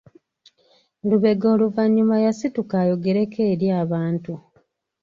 Lubega oluvannyuma yasituka ayogereko eri abantu.